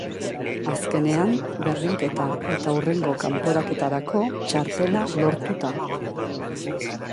Azkenean, berdinketa eta hurrengo kanporaketarako txartela lortuta.